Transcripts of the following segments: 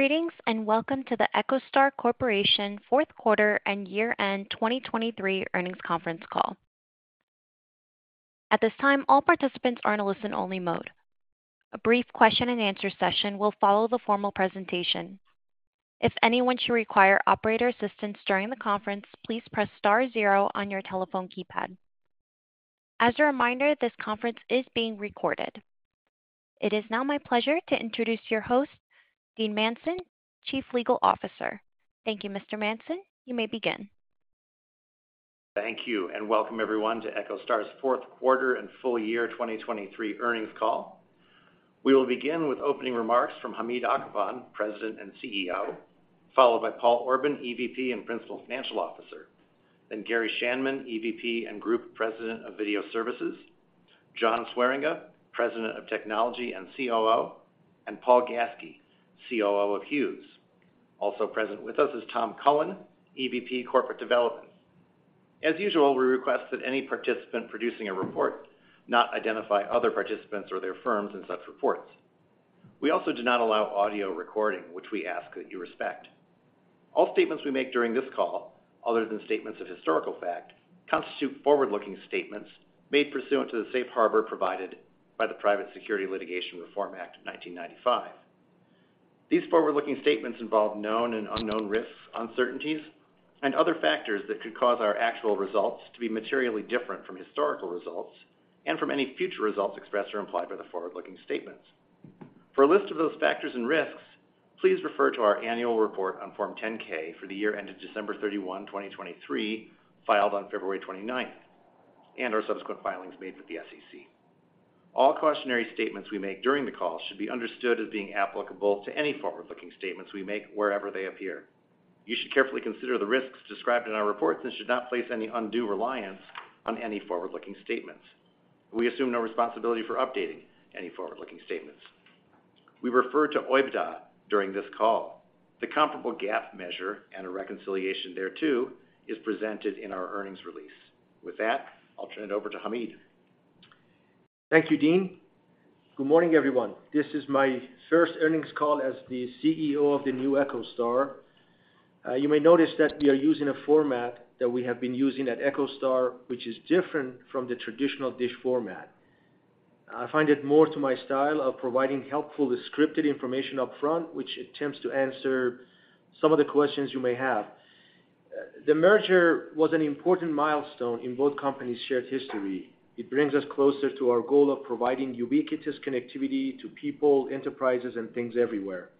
Greetings and welcome to the EchoStar Corporation 4th quarter and year-end 2023 earnings conference call. At this time, all participants are in a listen-only mode. A brief question-and-answer session will follow the formal presentation. If anyone should require operator assistance during the conference, please press star zero on your telephone keypad. As a reminder, this conference is being recorded. It is now my pleasure to introduce your host, Dean Manson, Chief Legal Officer. Thank you, Mr. Manson. You may begin. Thank you and welcome, everyone, to EchoStar's 4th quarter and full-year 2023 earnings call. We will begin with opening remarks from Hamid Akhavan, President and CEO, followed by Paul Orban, EVP and Principal Financial Officer, then Gary Schanman, EVP and Group President of Video Services, John Swieringa, President of Technology and COO, and Paul Gaske, COO of Hughes. Also present with us is Tom Cullen, EVP Corporate Development. As usual, we request that any participant producing a report not identify other participants or their firms in such reports. We also do not allow audio recording, which we ask that you respect. All statements we make during this call, other than statements of historical fact, constitute forward-looking statements made pursuant to the Safe Harbor provided by the Private Securities Litigation Reform Act of 1995. These forward-looking statements involve known and unknown risks, uncertainties, and other factors that could cause our actual results to be materially different from historical results and from any future results expressed or implied by the forward-looking statements. For a list of those factors and risks, please refer to our annual report on Form 10-K for the year ended December 31, 2023, filed on February 29th, and our subsequent filings made with the SEC. All cautionary statements we make during the call should be understood as being applicable to any forward-looking statements we make wherever they appear. You should carefully consider the risks described in our reports and should not place any undue reliance on any forward-looking statements. We assume no responsibility for updating any forward-looking statements. We refer to OIBDA during this call. The comparable GAAP measure and a reconciliation thereto is presented in our earnings release. With that, I'll turn it over to Hamid. Thank you, Dean. Good morning, everyone. This is my first earnings call as the CEO of the new EchoStar. You may notice that we are using a format that we have been using at EchoStar, which is different from the traditional DISH format. I find it more to my style of providing helpful, scripted information upfront, which attempts to answer some of the questions you may have. The merger was an important milestone in both companies' shared history. It brings us closer to our goal of providing ubiquitous connectivity to people, enterprises, and things everywhere.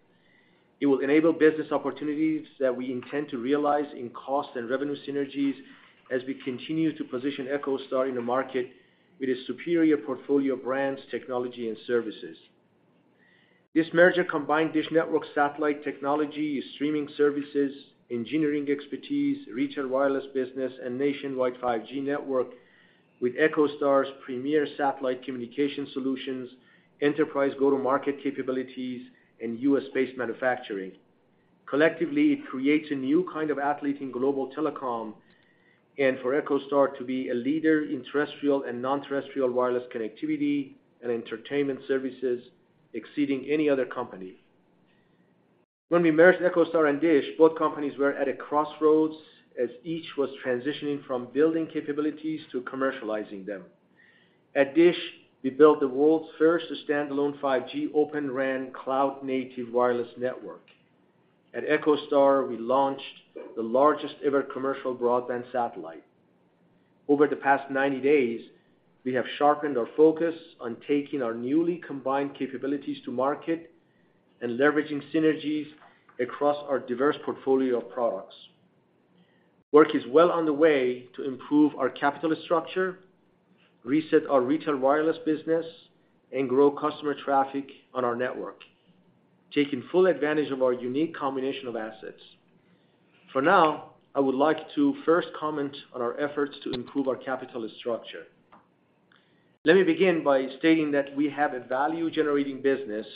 It will enable business opportunities that we intend to realize in cost and revenue synergies as we continue to position EchoStar in the market with its superior portfolio of brands, technology, and services. This merger combined DISH Network satellite technology, streaming services, engineering expertise, retail wireless business, and nationwide 5G network with EchoStar's premier satellite communication solutions, enterprise go-to-market capabilities, and U.S.-based manufacturing. Collectively, it creates a new kind of athlete in global telecom and for EchoStar to be a leader in terrestrial and non-terrestrial wireless connectivity and entertainment services exceeding any other company. When we merged EchoStar and DISH, both companies were at a crossroads as each was transitioning from building capabilities to commercializing them. At DISH, we built the world's first standalone 5G Open RAN cloud-native wireless network. At EchoStar, we launched the largest-ever commercial broadband satellite. Over the past 90 days, we have sharpened our focus on taking our newly combined capabilities to market and leveraging synergies across our diverse portfolio of products. Work is well on the way to improve our capital structure, reset our retail wireless business, and grow customer traffic on our network, taking full advantage of our unique combination of assets. For now, I would like to first comment on our efforts to improve our capital structure. Let me begin by stating that we have a value-generating business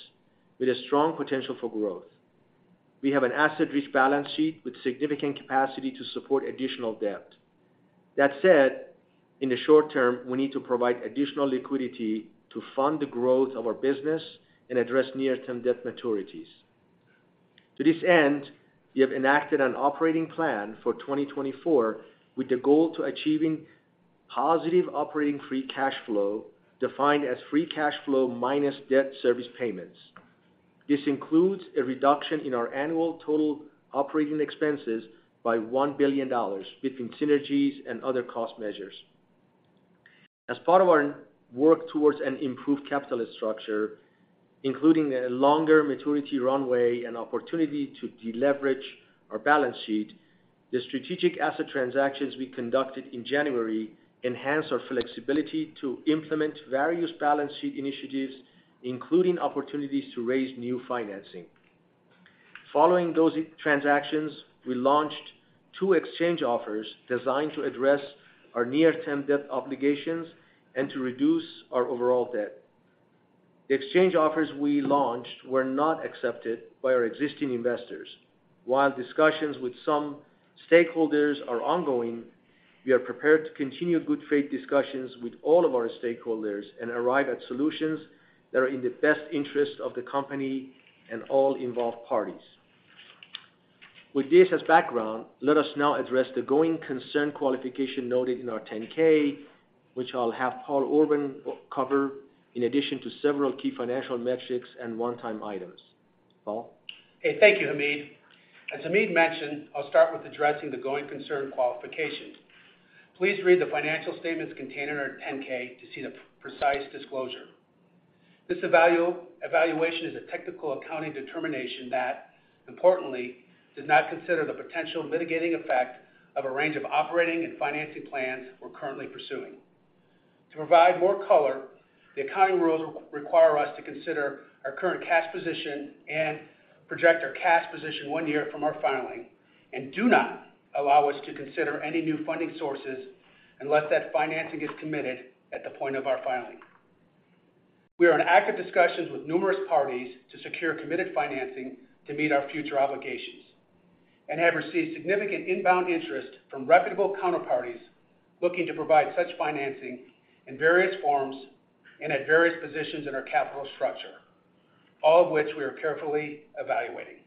with a strong potential for growth. We have an asset-rich balance sheet with significant capacity to support additional debt. That said, in the short-term, we need to provide additional liquidity to fund the growth of our business and address near-term debt maturities. To this end, we have enacted an operating plan for 2024 with the goal to achieve positive operating free cash flow defined as free cash flow minus debt service payments. This includes a reduction in our annual total operating expenses by $1 billion between synergies and other cost measures. As part of our work towards an improved capital structure, including a longer maturity runway and opportunity to deleverage our balance sheet, the strategic asset transactions we conducted in January enhance our flexibility to implement various balance sheet initiatives, including opportunities to raise new financing. Following those transactions, we launched two exchange offers designed to address our near-term debt obligations and to reduce our overall debt. The exchange offers we launched were not accepted by our existing investors. While discussions with some stakeholders are ongoing, we are prepared to continue good-faith discussions with all of our stakeholders and arrive at solutions that are in the best interest of the company and all involved parties. With this as background, let us now address the going concern qualification noted in our 10-K, which I'll have Paul Orban cover in addition to several key financial metrics and one-time items. Paul? Okay. Thank you, Hamid. As Hamid mentioned, I'll start with addressing the going concern qualification. Please read the financial statements contained in our 10-K to see the precise disclosure. This evaluation is a technical accounting determination that, importantly, does not consider the potential mitigating effect of a range of operating and financing plans we're currently pursuing. To provide more color, the accounting rules require us to consider our current cash position and project our cash position one year from our filing and do not allow us to consider any new funding sources unless that financing is committed at the point of our filing. We are in active discussions with numerous parties to secure committed financing to meet our future obligations and have received significant inbound interest from reputable counterparties looking to provide such financing in various forms and at various positions in our capital structure, all of which we are carefully evaluating.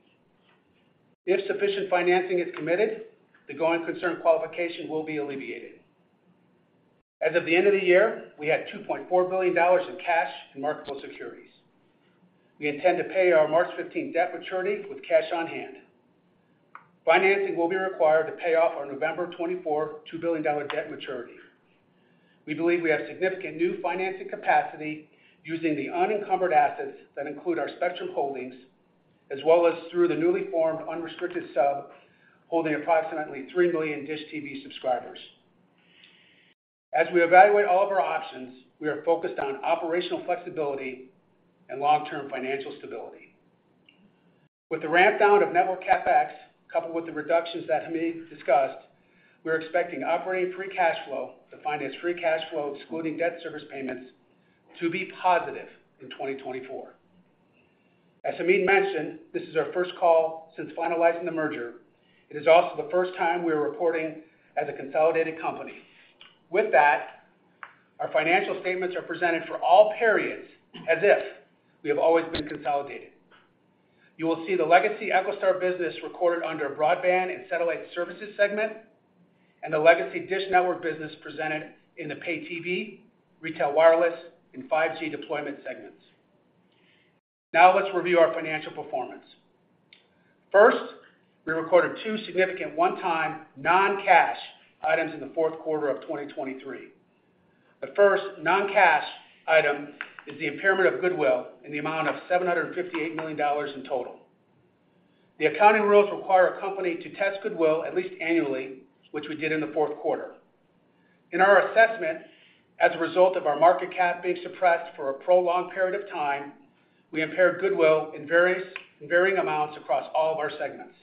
If sufficient financing is committed, the going concern qualification will be alleviated. As of the end of the year, we had $2.4 billion in cash and marketable securities. We intend to pay our March 15th debt maturity with cash on hand. Financing will be required to pay off our November 2024 $2 billion debt maturity. We believe we have significant new financing capacity using the unencumbered assets that include our Spectrum Holdings as well as through the newly formed unrestricted sub holding approximately 3 million DISH TV subscribers. As we evaluate all of our options, we are focused on operational flexibility and long-term financial stability. With the rampdown of network CapEx coupled with the reductions that Hamid discussed, we are expecting operating free cash flow defined as free cash flow excluding debt service payments to be positive in 2024. As Hamid mentioned, this is our first call since finalizing the merger. It is also the first time we are reporting as a consolidated company. With that, our financial statements are presented for all periods as if we have always been consolidated. You will see the legacy EchoStar business recorded under a broadband and satellite services segment and the legacy DISH Network business presented in the pay TV, retail wireless, and 5G deployment segments. Now let's review our financial performance. First, we recorded two significant one-time non-cash items in the fourth quarter of 2023. The first non-cash item is the impairment of goodwill in the amount of $758 million in total. The accounting rules require a company to test goodwill at least annually, which we did in the fourth quarter. In our assessment, as a result of our market cap being suppressed for a prolonged period of time, we impaired goodwill in varying amounts across all of our segments.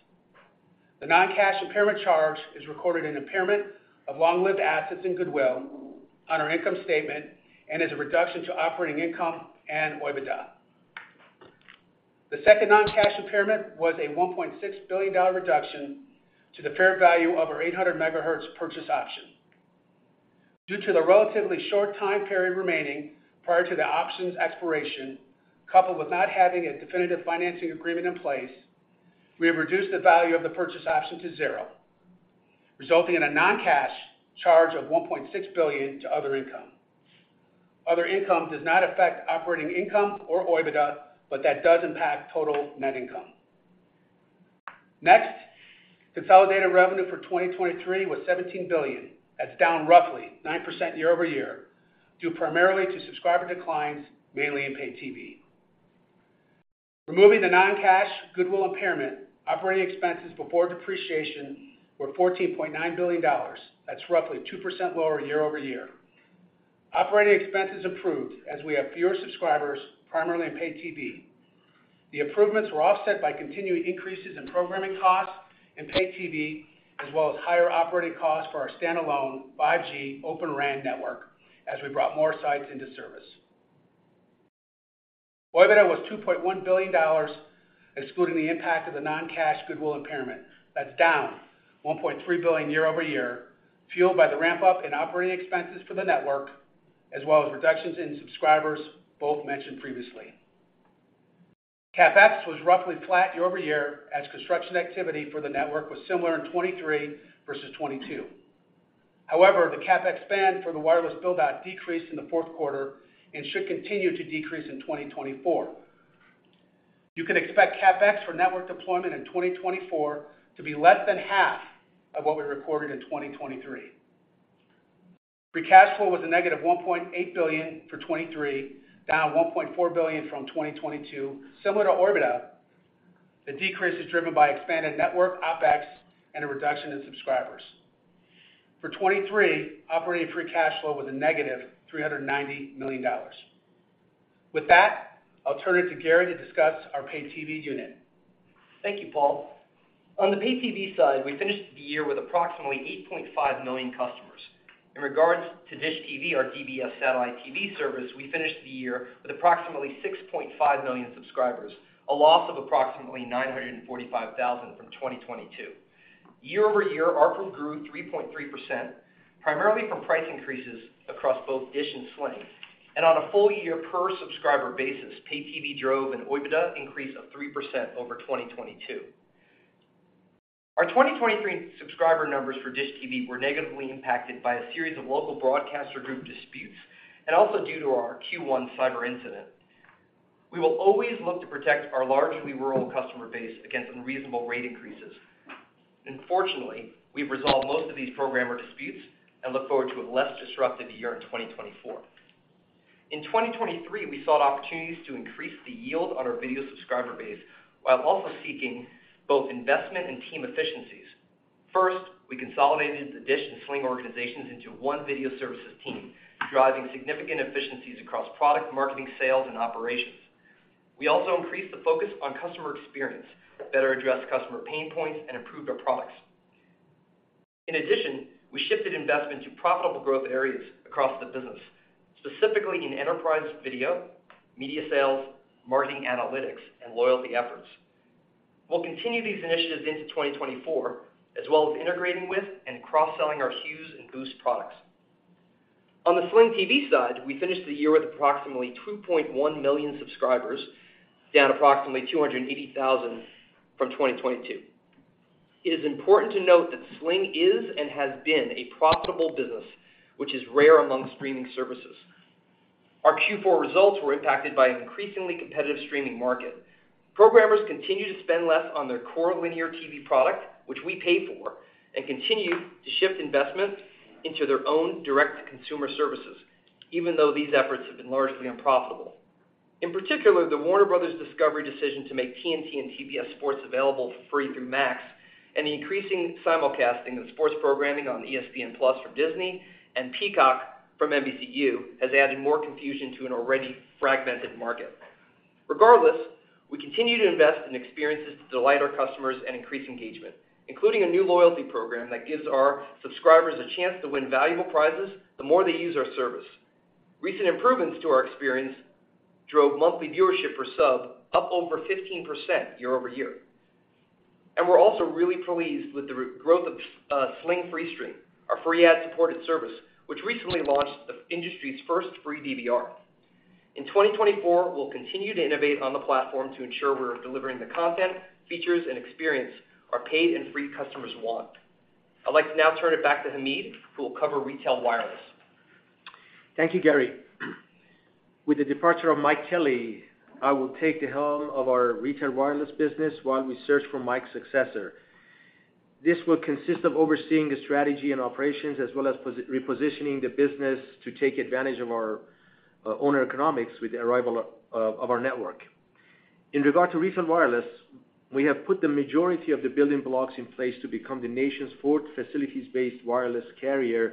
The non-cash impairment charge is recorded as an impairment of long-lived assets in goodwill on our income statement and as a reduction to operating income and OIBDA. The second non-cash impairment was a $1.6 billion reduction to the fair value of our 800 megahertz purchase option. Due to the relatively short time period remaining prior to the options' expiration, coupled with not having a definitive financing agreement in place, we have reduced the value of the purchase option to zero, resulting in a non-cash charge of $1.6 billion to other income. Other income does not affect operating income or OIBDA, but that does impact total net income. Next, consolidated revenue for 2023 was $17 billion. That's down roughly 9% year-over-year due primarily to subscriber declines, mainly in pay TV. Removing the non-cash goodwill impairment, operating expenses before depreciation were $14.9 billion. That's roughly 2% lower year-over-year. Operating expenses improved as we have fewer subscribers, primarily in pay TV. The improvements were offset by continuing increases in programming costs in pay TV as well as higher operating costs for our standalone 5G open RAN network as we brought more sites into service. OIBDA was $2.1 billion, excluding the impact of the non-cash goodwill impairment. That's down $1.3 billion year-over-year, fueled by the ramp-up in operating expenses for the network as well as reductions in subscribers both mentioned previously. CapEx was roughly flat year-over-year as construction activity for the network was similar in 2023 versus 2022. However, the CapEx spend for the wireless buildout decreased in the fourth quarter and should continue to decrease in 2024. You can expect CapEx for network deployment in 2024 to be less than half of what we recorded in 2023. Free cash flow was a net $-1.8 billion for 2023, down $1.4 billion from 2022, similar to OIBDA. The decrease is driven by expanded network OpEx and a reduction in subscribers. For 2023, operating free cash flow was a $-390 million. With that, I'll turn it to Gary to discuss our pay TV unit. Thank you, Paul. On the pay TV side, we finished the year with approximately 8.5 million customers. In regards to DISH TV, our DBS satellite TV service, we finished the year with approximately 6.5 million subscribers, a loss of approximately 945,000 from 2022. Year-over-year, our group grew 3.3%, primarily from price increases across both DISH and Sling. On a full-year per-subscriber basis, pay TV drove an OIBDA increase of 3% over 2022. Our 2023 subscriber numbers for DISH TV were negatively impacted by a series of local broadcaster group disputes, and also due to our Q1 cyber incident. We will always look to protect our largely rural customer base against unreasonable rate increases. Unfortunately, we've resolved most of these programmer disputes and look forward to a less disruptive year in 2024. In 2023, we sought opportunities to increase the yield on our video subscriber base while also seeking both investment and team efficiencies. First, we consolidated the DISH and Sling organizations into one video services team, driving significant efficiencies across product, marketing, sales, and operations. We also increased the focus on customer experience, better addressed customer pain points, and improved our products. In addition, we shifted investment to profitable growth areas across the business, specifically in enterprise video, media sales, marketing analytics, and loyalty efforts. We'll continue these initiatives into 2024 as well as integrating with and cross-selling our Hughes and Boost products. On the Sling TV side, we finished the year with approximately 2.1 million subscribers, down approximately 280,000 from 2022. It is important to note that Sling is and has been a profitable business, which is rare among streaming services. Our Q4 results were impacted by an increasingly competitive streaming market. Programmers continue to spend less on their core linear TV product, which we pay for, and continue to shift investment into their own direct-to-consumer services, even though these efforts have been largely unprofitable. In particular, the Warner Bros. Discovery decision to make TNT and TBS sports available for free through Max and the increasing simulcasting of sports programming on ESPN+ from Disney and Peacock from NBCU has added more confusion to an already fragmented market. Regardless, we continue to invest in experiences to delight our customers and increase engagement, including a new loyalty program that gives our subscribers a chance to win valuable prizes the more they use our service. Recent improvements to our experience drove monthly viewership per sub up over 15% year-over-year. We're also really pleased with the growth of Sling Freestream, our free ad-supported service, which recently launched the industry's first free DVR. In 2024, we'll continue to innovate on the platform to ensure we're delivering the content, features, and experience our paid and free customers want. I'd like to now turn it back to Hamid, who will cover retail wireless. Thank you, Gary. With the departure of Mike Kelly, I will take the helm of our retail wireless business while we search for Mike's successor. This will consist of overseeing the strategy and operations as well as repositioning the business to take advantage of our owner economics with the arrival of our network. In regard to retail wireless, we have put the majority of the building blocks in place to become the nation's fourth facilities-based wireless carrier,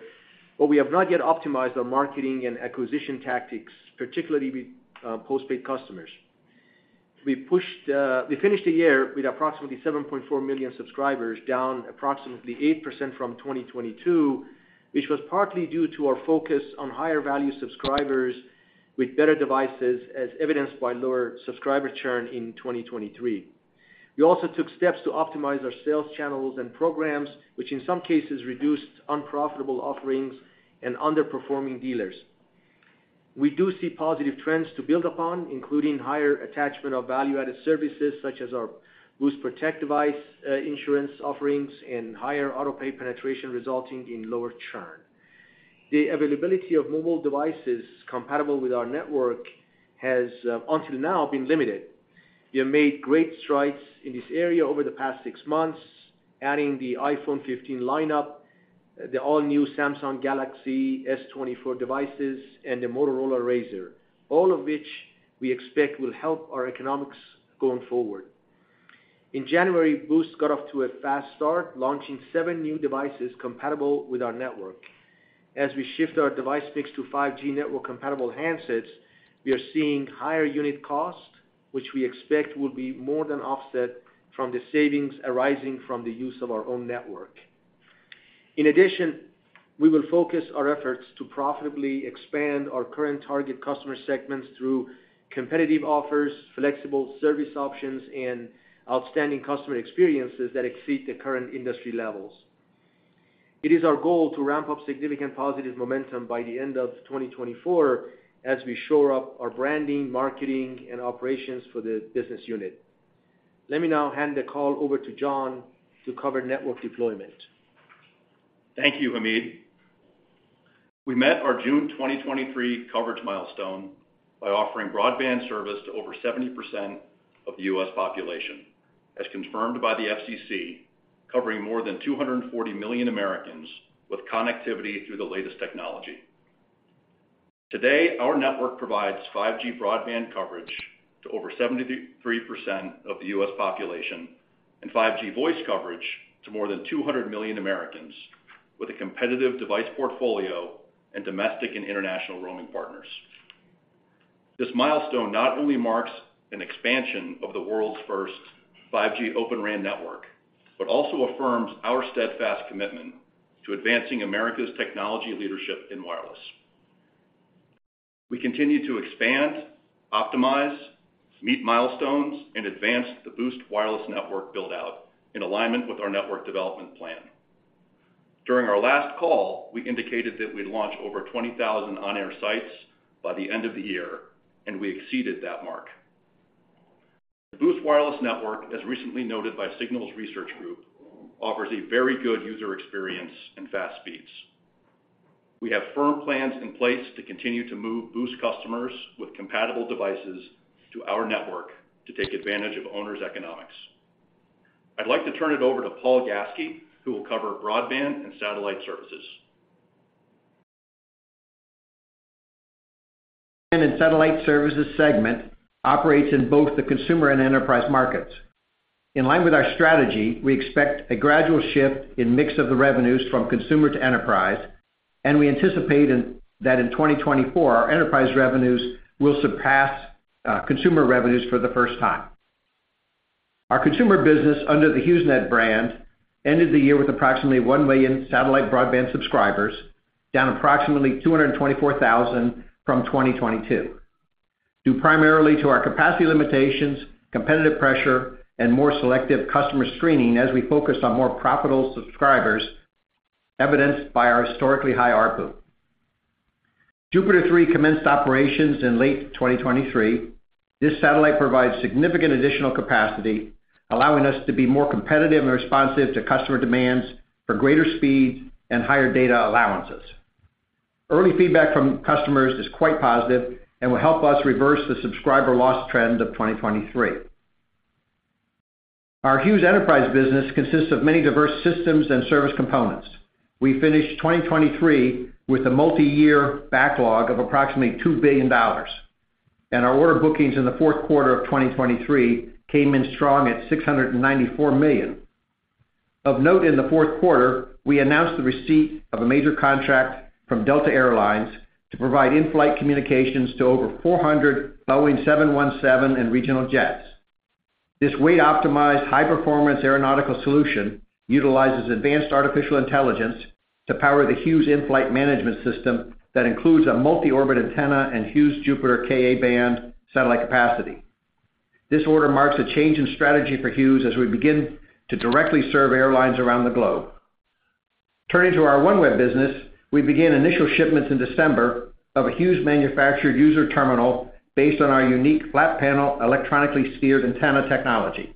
but we have not yet optimized our marketing and acquisition tactics, particularly with postpaid customers. We finished the year with approximately 7.4 million subscribers, down approximately 8% from 2022, which was partly due to our focus on higher value subscribers with better devices, as evidenced by lower subscriber churn in 2023. We also took steps to optimize our sales channels and programs, which in some cases reduced unprofitable offerings and underperforming dealers. We do see positive trends to build upon, including higher attachment of value-added services such as our Boost Protect device insurance offerings and higher autopay penetration resulting in lower churn. The availability of mobile devices compatible with our network has until now been limited. We have made great strides in this area over the past six months, adding the iPhone 15 lineup, the all-new Samsung Galaxy S24 devices, and the Motorola Razr, all of which we expect will help our economics going forward. In January, Boost got off to a fast start, launching seven new devices compatible with our network. As we shift our device mix to 5G network-compatible handsets, we are seeing higher unit cost, which we expect will be more than offset from the savings arising from the use of our own network. In addition, we will focus our efforts to profitably expand our current target customer segments through competitive offers, flexible service options, and outstanding customer experiences that exceed the current industry levels. It is our goal to ramp up significant positive momentum by the end of 2024 as we shore up our branding, marketing, and operations for the business unit. Let me now hand the call over to John to cover network deployment. Thank you, Hamid. We met our June 2023 coverage milestone by offering broadband service to over 70% of the U.S. population, as confirmed by the FCC, covering more than 240 million Americans with connectivity through the latest technology. Today, our network provides 5G broadband coverage to over 73% of the U.S. population and 5G voice coverage to more than 200 million Americans with a competitive device portfolio and domestic and international roaming partners. This milestone not only marks an expansion of the world's first 5G Open RAN network but also affirms our steadfast commitment to advancing America's technology leadership in wireless. We continue to expand, optimize, meet milestones, and advance the Boost Wireless Network buildout in alignment with our network development plan. During our last call, we indicated that we'd launch over 20,000 on-air sites by the end of the year, and we exceeded that mark. The Boost Wireless Network, as recently noted by Signals Research Group, offers a very good user experience and fast speeds. We have firm plans in place to continue to move Boost customers with compatible devices to our network to take advantage of owners' economics. I'd like to turn it over to Paul Gaske, who will cover broadband and satellite services. The satellite services segment operates in both the consumer and enterprise markets. In line with our strategy, we expect a gradual shift in mix of the revenues from consumer to enterprise, and we anticipate that in 2024, our enterprise revenues will surpass consumer revenues for the first time. Our consumer business under the HughesNet brand ended the year with approximately 1 million satellite broadband subscribers, down approximately 224,000 from 2022, due primarily to our capacity limitations, competitive pressure, and more selective customer screening as we focused on more profitable subscribers, evidenced by our historically high ARPU. JUPITER 3 commenced operations in late 2023. This satellite provides significant additional capacity, allowing us to be more competitive and responsive to customer demands for greater speeds and higher data allowances. Early feedback from customers is quite positive and will help us reverse the subscriber loss trend of 2023. Our Hughes Enterprise business consists of many diverse systems and service components. We finished 2023 with a multi-year backlog of approximately $2 billion, and our order bookings in the fourth quarter of 2023 came in strong at $694 million. Of note, in the fourth quarter, we announced the receipt of a major contract from Delta Air Lines to provide in-flight communications to over 400 Boeing 717 and regional jets. This weight-optimized, high-performance aeronautical solution utilizes advanced artificial intelligence to power the Hughes in-flight management system that includes a multi-orbit antenna and Hughes Jupiter Ka-band satellite capacity. This order marks a change in strategy for Hughes as we begin to directly serve airlines around the globe. Turning to our OneWeb business, we began initial shipments in December of a Hughes-manufactured user terminal based on our unique flat-panel, electronically steered antenna technology,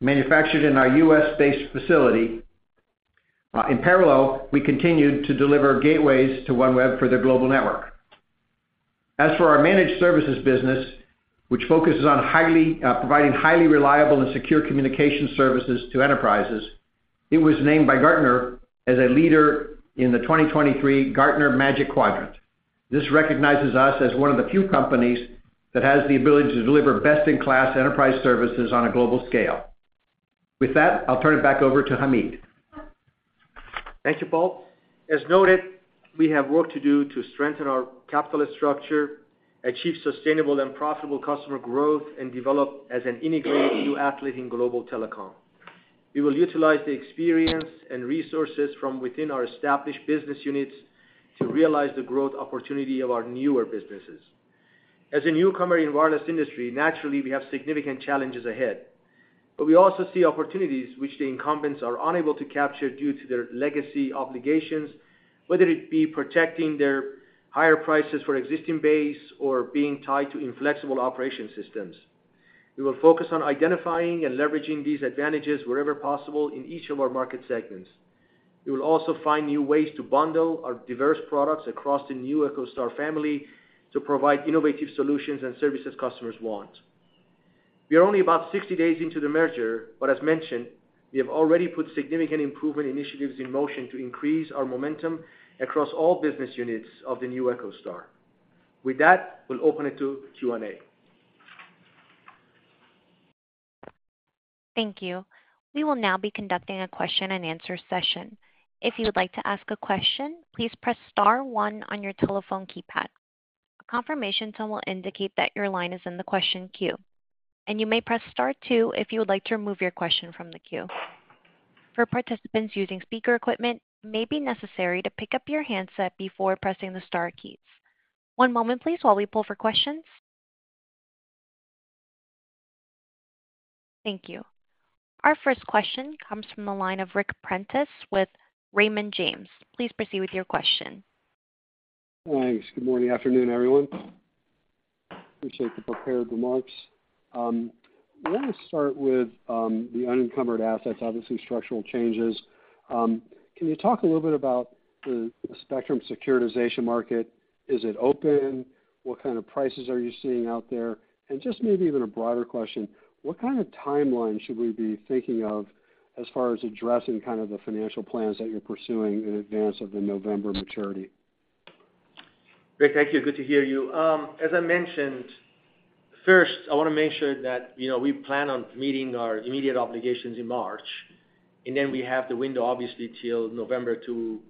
manufactured in our U.S.-based facility. In parallel, we continued to deliver gateways to OneWeb for their global network. As for our managed services business, which focuses on providing highly reliable and secure communication services to enterprises, it was named by Gartner as a leader in the 2023 Gartner Magic Quadrant. This recognizes us as one of the few companies that has the ability to deliver best-in-class enterprise services on a global scale. With that, I'll turn it back over to Hamid. Thank you, Paul. As noted, we have work to do to strengthen our capital structure, achieve sustainable and profitable customer growth, and develop as an integrated new entity in global telecom. We will utilize the experience and resources from within our established business units to realize the growth opportunity of our newer businesses. As a newcomer in the wireless industry, naturally, we have significant challenges ahead, but we also see opportunities which the incumbents are unable to capture due to their legacy obligations, whether it be protecting their higher prices for existing base or being tied to inflexible operating systems. We will focus on identifying and leveraging these advantages wherever possible in each of our market segments. We will also find new ways to bundle our diverse products across the new EchoStar family to provide innovative solutions and services customers want. We are only about 60 days into the merger, but as mentioned, we have already put significant improvement initiatives in motion to increase our momentum across all business units of the new EchoStar. With that, we'll open it to Q&A. Thank you. We will now be conducting a question-and-answer session. If you would like to ask a question, please press star one on your telephone keypad. A confirmation tone will indicate that your line is in the question queue, and you may press star two if you would like to remove your question from the queue. For participants using speaker equipment, it may be necessary to pick up your handset before pressing the star keys. One moment, please, while we pull for questions. Thank you. Our first question comes from the line of Ric Prentiss with Raymond James. Please proceed with your question. Thanks. Good morning. Afternoon, everyone. Appreciate the prepared remarks. I want to start with the unencumbered assets, obviously structural changes. Can you talk a little bit about the spectrum securitization market? Is it open? What kind of prices are you seeing out there? And just maybe even a broader question, what kind of timeline should we be thinking of as far as addressing kind of the financial plans that you're pursuing in advance of the November maturity? Great. Thank you. Good to hear you. As I mentioned, first, I want to make sure that we plan on meeting our immediate obligations in March, and then we have the window, obviously, till November to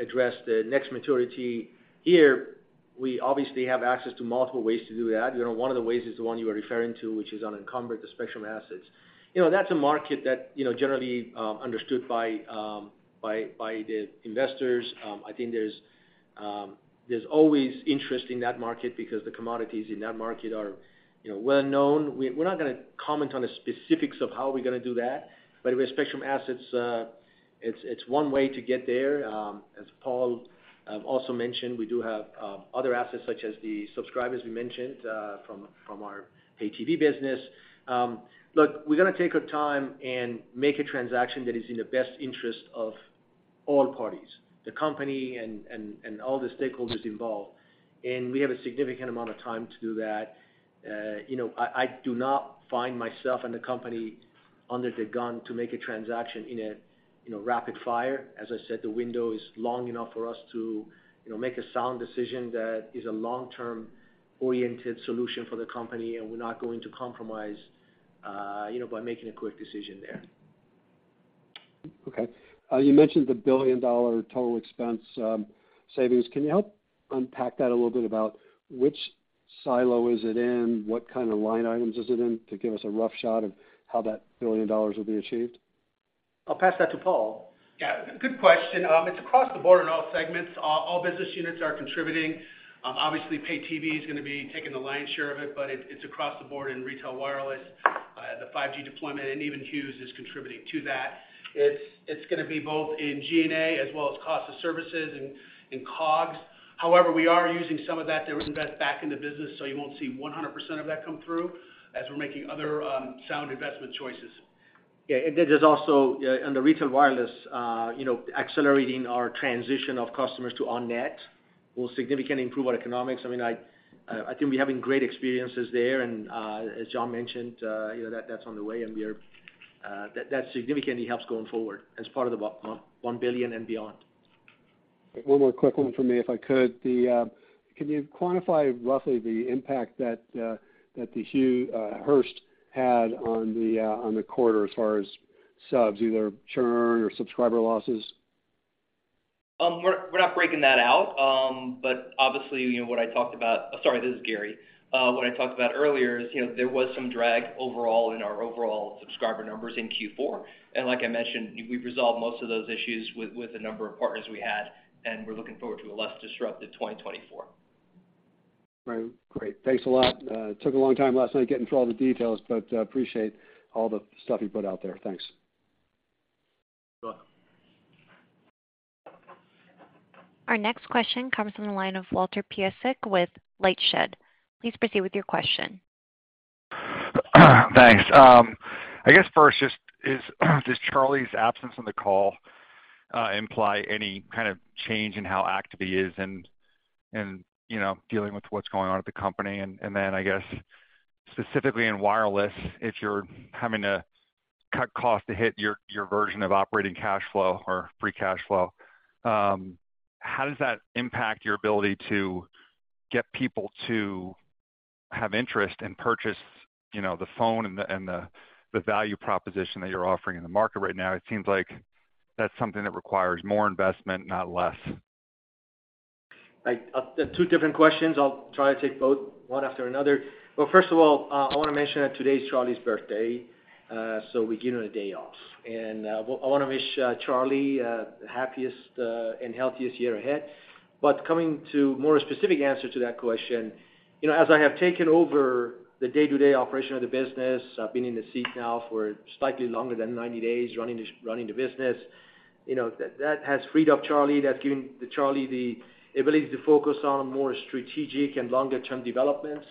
address the next maturity. Here, we obviously have access to multiple ways to do that. One of the ways is the one you were referring to, which is unencumbered, the spectrum assets. That's a market that's generally understood by the investors. I think there's always interest in that market because the commodities in that market are well-known. We're not going to comment on the specifics of how we're going to do that, but with spectrum assets, it's one way to get there. As Paul also mentioned, we do have other assets such as the subscribers we mentioned from our pay-TV business. Look, we're going to take our time and make a transaction that is in the best interest of all parties, the company and all the stakeholders involved. We have a significant amount of time to do that. I do not find myself and the company under the gun to make a transaction in a rapid fire. As I said, the window is long enough for us to make a sound decision that is a long-term-oriented solution for the company, and we're not going to compromise by making a quick decision there. Okay. You mentioned the billion-dollar total expense savings. Can you help unpack that a little bit about which silo is it in, what kind of line items is it in to give us a rough shot of how that $1 billion will be achieved? I'll pass that to Paul. Yeah. Good question. It's across the board in all segments. All business units are contributing. Obviously, pay-TV is going to be taking the lion's share of it, but it's across the board in retail wireless. The 5G deployment and even Hughes is contributing to that. It's going to be both in G&A as well as cost of services and COGS. However, we are using some of that to invest back into business, so you won't see 100% of that come through as we're making other sound investment choices. Yeah. And there's also, under retail wireless, accelerating our transition of customers to on-net. It will significantly improve our economics. I mean, I think we're having great experiences there. And as John mentioned, that's on the way, and that significantly helps going forward as part of the $1 billion and beyond. One more quick one from me, if I could. Can you quantify roughly the impact that the Hughes Hearst had on the quarter as far as subs, either churn or subscriber losses? We're not breaking that out, but obviously, what I talked about. Sorry, this is Gary. What I talked about earlier is there was some drag overall in our overall subscriber numbers in Q4. And like I mentioned, we've resolved most of those issues with the number of partners we had, and we're looking forward to a less disruptive 2024. Great. Great. Thanks a lot. It took a long time last night getting through all the details, but appreciate all the stuff you put out there. Thanks. You're welcome. Our next question comes from the line of Walter Piecyk with LightShed. Please proceed with your question. Thanks. I guess first, does Charlie's absence on the call imply any kind of change in how active he is in dealing with what's going on at the company? Then, I guess, specifically in wireless, if you're having to cut costs to hit your version of operating cash flow or free cash flow, how does that impact your ability to get people to have interest and purchase the phone and the value proposition that you're offering in the market right now? It seems like that's something that requires more investment, not less. Two different questions. I'll try to take both one after another. Well, first of all, I want to mention that today is Charlie's birthday, so we gave him a day off. I want to wish Charlie the happiest and healthiest year ahead. Coming to a more specific answer to that question, as I have taken over the day-to-day operation of the business, I've been in the seat now for slightly longer than 90 days running the business. That has freed up Charlie. That's given Charlie the ability to focus on more strategic and longer-term developments.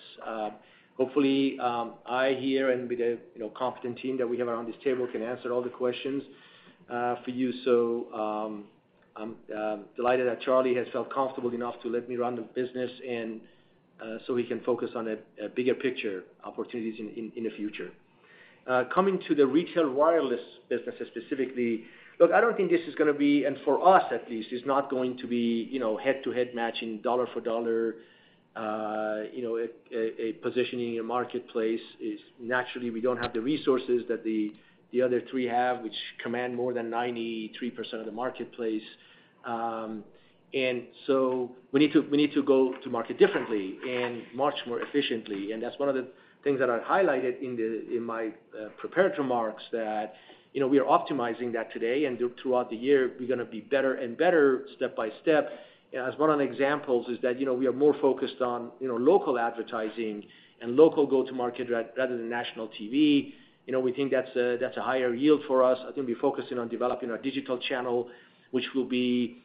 Hopefully, I'm here and with the competent team that we have around this table can answer all the questions for you. So I'm delighted that Charlie has felt comfortable enough to let me run the business so he can focus on bigger picture opportunities in the future. Coming to the retail wireless business specifically, look, I don't think this is going to be, and for us at least, it's not going to be head-to-head matching, dollar for dollar, a positioning in a marketplace. Naturally, we don't have the resources that the other three have, which command more than 93% of the marketplace. And so we need to go to market differently and much more efficiently. And that's one of the things that I highlighted in my prepared remarks, that we are optimizing that today. And throughout the year, we're going to be better and better step by step. And as one of the examples is that we are more focused on local advertising and local go-to-market rather than national TV. We think that's a higher yield for us. I think we're focusing on developing our digital channel, which will be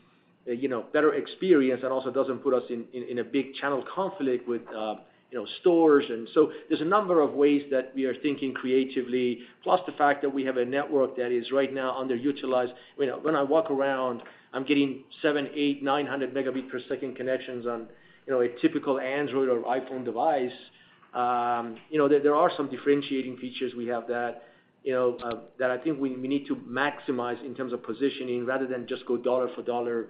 a better experience and also doesn't put us in a big channel conflict with stores. And so there's a number of ways that we are thinking creatively, plus the fact that we have a network that is right now underutilized. When I walk around, I'm getting 700, 800, 900 Mbps connections on a typical Android or iPhone device. There are some differentiating features. We have that I think we need to maximize in terms of positioning rather than just go dollar for dollar,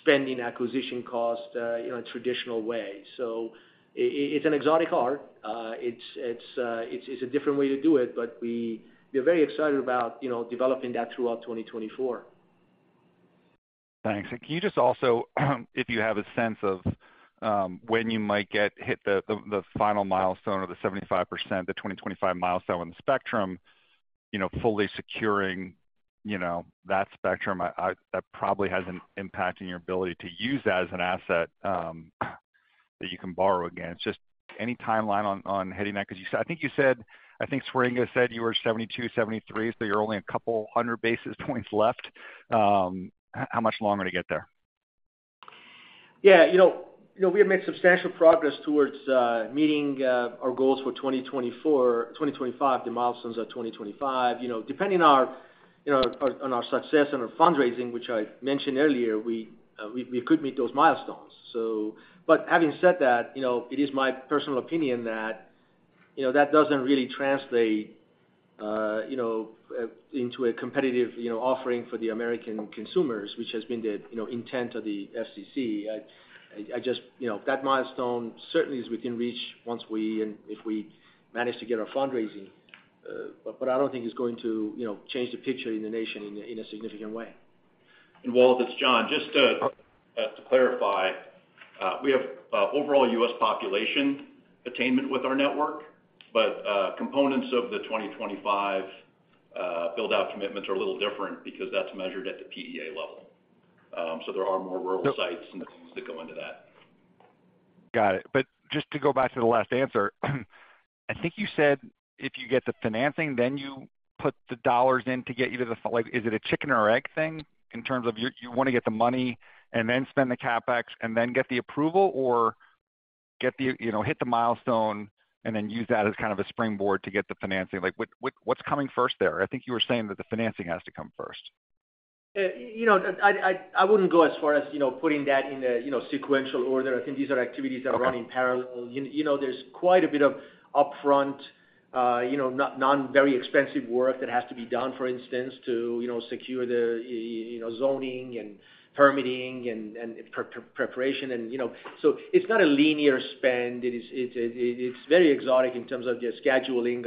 spending acquisition costs a traditional way. So it's an exotic art. It's a different way to do it, but we are very excited about developing that throughout 2024. Thanks. And can you just also, if you have a sense of when you might hit the final milestone of the 75%, the 2025 milestone with the spectrum, fully securing that spectrum, that probably has an impact on your ability to use that as an asset that you can borrow again. It's just any timeline on hitting that because I think you said I think Swieringa said you were 72%, 73%, so you're only a couple hundred basis points left. How much longer to get there? Yeah. We have made substantial progress towards meeting our goals for 2024, 2025, the milestones of 2025. Depending on our success and our fundraising, which I mentioned earlier, we could meet those milestones. But having said that, it is my personal opinion that that doesn't really translate into a competitive offering for the American consumers, which has been the intent of the FCC. That milestone certainly is within reach once we and if we manage to get our fundraising, but I don't think it's going to change the picture in the nation in a significant way. Walt, it's John. Just to clarify, we have overall U.S. population attainment with our network, but components of the 2025 buildout commitments are a little different because that's measured at the PEA level. There are more rural sites and things that go into that. Got it. But just to go back to the last answer, I think you said if you get the financing, then you put the dollars in to get you to the is it a chicken or egg thing in terms of you want to get the money and then spend the CapEx and then get the approval or hit the milestone and then use that as kind of a springboard to get the financing? What's coming first there? I think you were saying that the financing has to come first. I wouldn't go as far as putting that in a sequential order. I think these are activities that are running parallel. There's quite a bit of upfront, not very expensive work that has to be done, for instance, to secure the zoning and permitting and preparation. So it's not a linear spend. It's very erratic in terms of your scheduling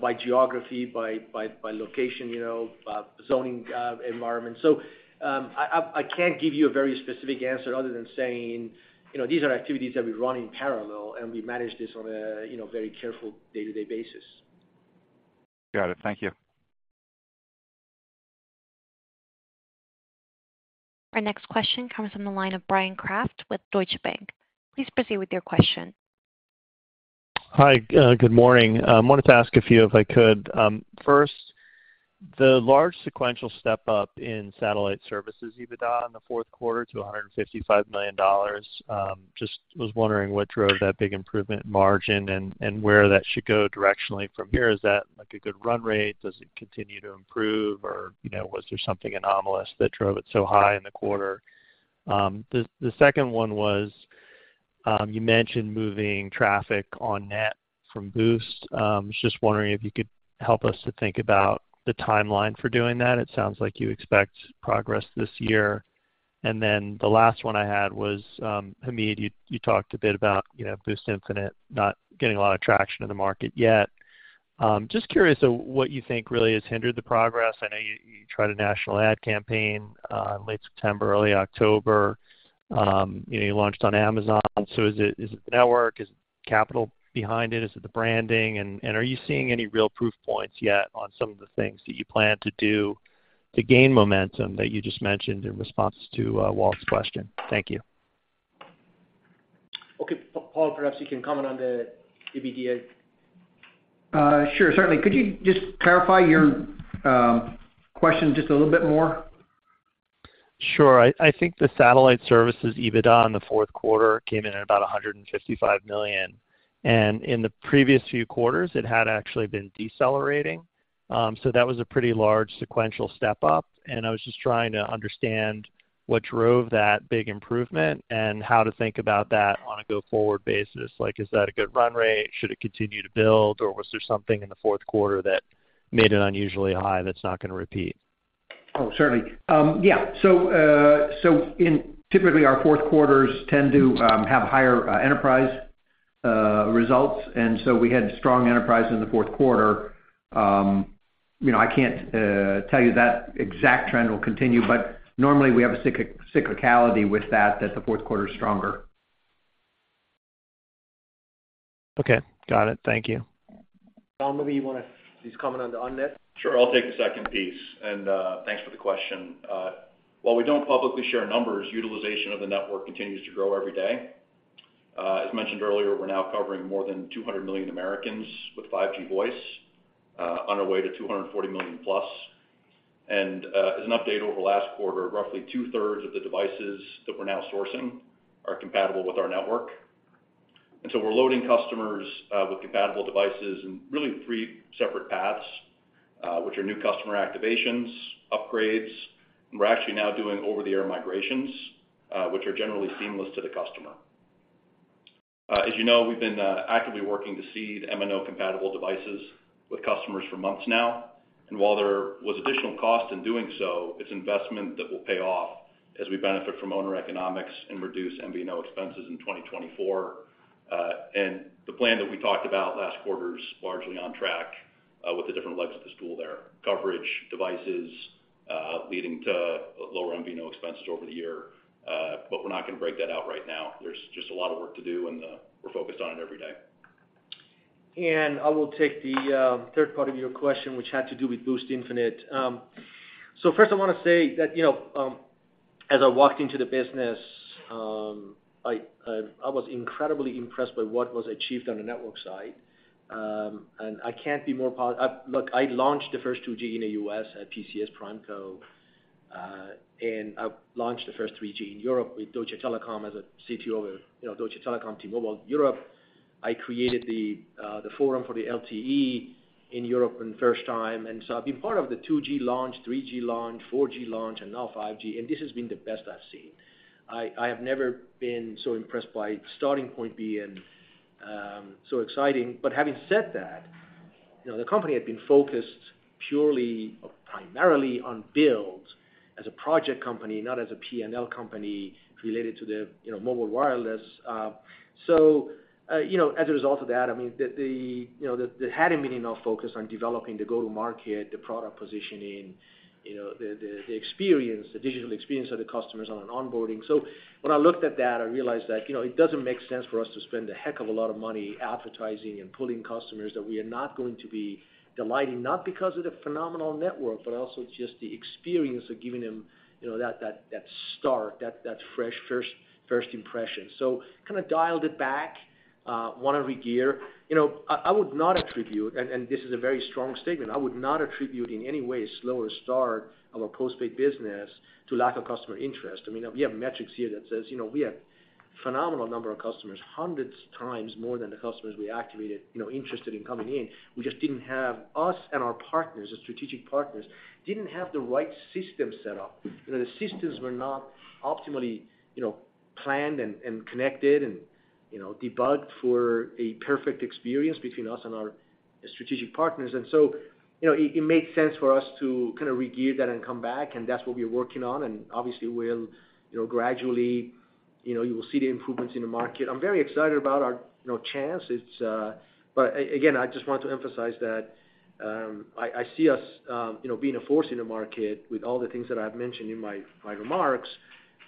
by geography, by location, zoning environment. I can't give you a very specific answer other than saying these are activities that we run in parallel, and we manage this on a very careful day-to-day basis. Got it. Thank you. Our next question comes from the line of Bryan Kraft with Deutsche Bank. Please proceed with your question. Hi. Good morning. I wanted to ask a few, if I could. First, the large sequential step-up in satellite services EBITDA in the fourth quarter to $155 million, just was wondering what drove that big improvement margin and where that should go directionally from here. Is that a good run rate? Does it continue to improve, or was there something anomalous that drove it so high in the quarter? The second one was you mentioned moving traffic on net from Boost. Just wondering if you could help us to think about the timeline for doing that. It sounds like you expect progress this year. And then the last one I had was, Hamid, you talked a bit about Boost Infinite not getting a lot of traction in the market yet. Just curious what you think really has hindered the progress. I know you tried a national ad campaign late September, early October. You launched on Amazon. So is it the network? Is it capital behind it? Is it the branding? And are you seeing any real proof points yet on some of the things that you plan to do to gain momentum that you just mentioned in response to Walt's question? Thank you. Okay. Paul, perhaps you can comment on the OIBDA. Sure. Certainly. Could you just clarify your question just a little bit more? Sure. I think the satellite services EBITDA in the fourth quarter came in at about $155 million. And in the previous few quarters, it had actually been decelerating. So that was a pretty large sequential step-up. And I was just trying to understand what drove that big improvement and how to think about that on a go-forward basis. Is that a good run rate? Should it continue to build, or was there something in the fourth quarter that made it unusually high that's not going to repeat? Oh, certainly. Yeah. So typically, our fourth quarters tend to have higher enterprise results. And so we had strong enterprise in the fourth quarter. I can't tell you that exact trend will continue, but normally, we have a cyclicality with that, that the fourth quarter is stronger. Okay. Got it. Thank you. John, maybe you want to just comment on the on-net? Sure. I'll take the second piece. Thanks for the question. While we don't publicly share numbers, utilization of the network continues to grow every day. As mentioned earlier, we're now covering more than 200 million Americans with 5G Voice, on our way to 240+ million. As an update over last quarter, roughly 2/3s of the devices that we're now sourcing are compatible with our network. So we're loading customers with compatible devices in really three separate paths, which are new customer activations, upgrades. We're actually now doing over-the-air migrations, which are generally seamless to the customer. As you know, we've been actively working to seed MNO-compatible devices with customers for months now. While there was additional cost in doing so, it's investment that will pay off as we benefit from owner economics and reduce MVNO expenses in 2024. The plan that we talked about last quarter is largely on track with the different legs of the stool there. Coverage devices leading to lower MVNO expenses over the year. We're not going to break that out right now. There's just a lot of work to do, and we're focused on it every day. I will take the third part of your question, which had to do with Boost Infinite. So first, I want to say that as I walked into the business, I was incredibly impressed by what was achieved on the network side. And I can't be more look, I launched the first 2G in the U.S. at PCS PrimeCo. And I launched the first 3G in Europe with Deutsche Telekom as a CTO of Deutsche Telekom T-Mobile Europe. I created the forum for the LTE in Europe for the first time. And so I've been part of the 2G launch, 3G launch, 4G launch, and now 5G. And this has been the best I've seen. I have never been so impressed by starting point B and so exciting. But having said that, the company had been focused purely or primarily on builds as a project company, not as a P&L company related to the mobile wireless. So as a result of that, I mean, there hadn't been enough focus on developing the go-to-market, the product positioning, the experience, the digital experience of the customers on an onboarding. So when I looked at that, I realized that it doesn't make sense for us to spend a heck of a lot of money advertising and pulling customers that we are not going to be delighting, not because of the phenomenal network, but also just the experience of giving them that start, that fresh impression. So kind of dialed it back, want to regear. I would not attribute and this is a very strong statement. I would not attribute in any way a slower start of a postpaid business to lack of customer interest. I mean, we have metrics here that says we have a phenomenal number of customers, hundreds times more than the customers we activated interested in coming in. We just didn't have us and our partners, the strategic partners, didn't have the right system set up. The systems were not optimally planned and connected and debugged for a perfect experience between us and our strategic partners. And so it made sense for us to kind of regear that and come back. And that's what we're working on. And obviously, we'll gradually you will see the improvements in the market. I'm very excited about our chance. But again, I just want to emphasize that I see us being a force in the market with all the things that I've mentioned in my remarks.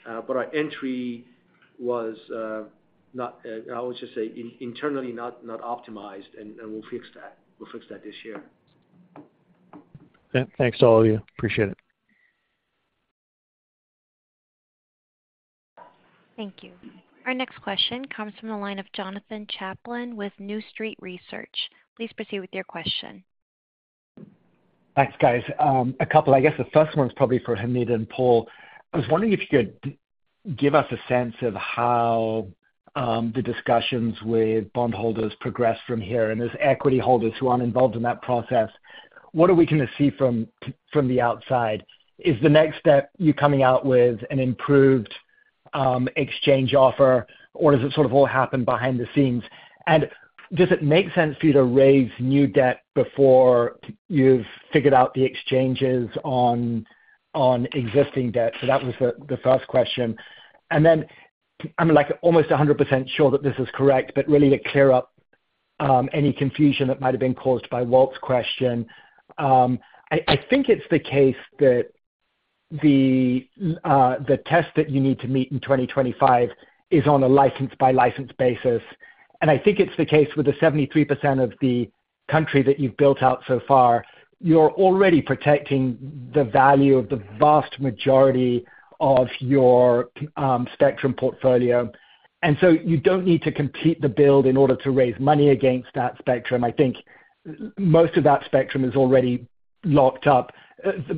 But our entry was not, I would just say, internally not optimized. We'll fix that. We'll fix that this year. Thanks to all of you. Appreciate it. Thank you. Our next question comes from the line of Jonathan Chaplin with New Street Research. Please proceed with your question. Thanks, guys. I guess the first one's probably for Hamid and Paul. I was wondering if you could give us a sense of how the discussions with bondholders progressed from here. And as equity holders who aren't involved in that process, what are we going to see from the outside? Is the next step you coming out with an improved exchange offer, or does it sort of all happen behind the scenes? And does it make sense for you to raise new debt before you've figured out the exchanges on existing debt? So that was the first question. And then I'm almost 100% sure that this is correct, but really to clear up any confusion that might have been caused by Walt's question. I think it's the case that the test that you need to meet in 2025 is on a license-by-license basis. I think it's the case with the 73% of the country that you've built out so far. You're already protecting the value of the vast majority of your spectrum portfolio. And so you don't need to complete the build in order to raise money against that spectrum. I think most of that spectrum is already locked up.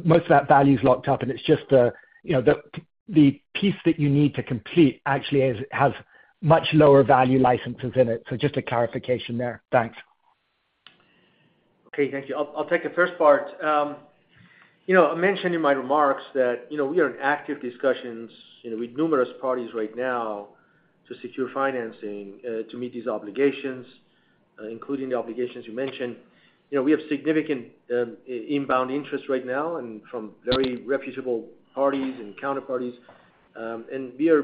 Most of that value is locked up. And it's just the piece that you need to complete actually has much lower value licenses in it. So just a clarification there. Thanks. Okay. Thank you. I'll take the first part. I mentioned in my remarks that we are in active discussions with numerous parties right now to secure financing to meet these obligations, including the obligations you mentioned. We have significant inbound interest right now and from very reputable parties and counterparties. We are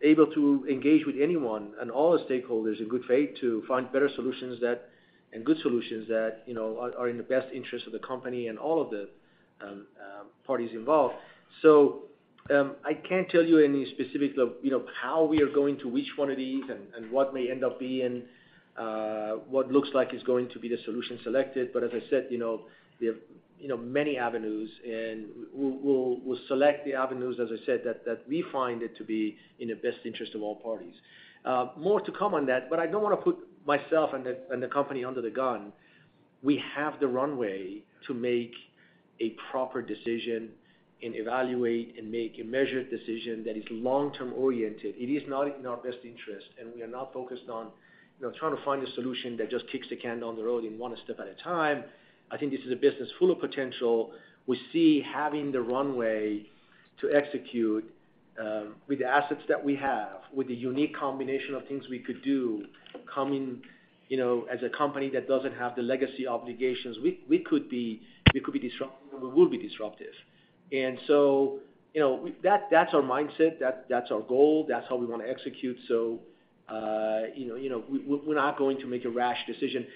able to engage with anyone and all the stakeholders in good faith to find better solutions and good solutions that are in the best interest of the company and all of the parties involved. I can't tell you any specifics of how we are going to which one of these and what may end up being what looks like is going to be the solution selected. As I said, there are many avenues. We'll select the avenues, as I said, that we find it to be in the best interest of all parties. More to come on that, but I don't want to put myself and the company under the gun. We have the runway to make a proper decision and evaluate and make a measured decision that is long-term oriented. It is not in our best interest. We are not focused on trying to find a solution that just kicks the can down the road in one step at a time. I think this is a business full of potential. We see having the runway to execute with the assets that we have, with the unique combination of things we could do coming as a company that doesn't have the legacy obligations, we could be disruptive, and we will be disruptive. That's our mindset. That's our goal. That's how we want to execute. We're not going to make a rash decision.